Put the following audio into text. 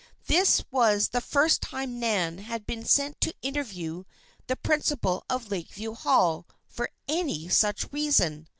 This was the first time Nan had been sent to interview the principal of Lakeview Hall for any such reason.